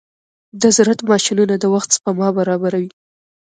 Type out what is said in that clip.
د زراعت ماشينونه د وخت سپما برابروي.